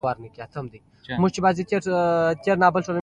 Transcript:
څانګې یې پر دیوال غوړولي وې.